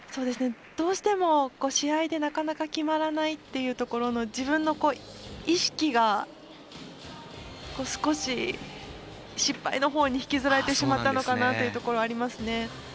どうしても、試合でなかなか決まらないっていうところの自分の意識が少し失敗のほうに引きずられてしまったのかなというところありますね。